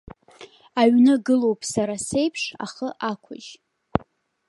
Аҩны гылоуп, сара сеиԥш, ахы ақәыжь.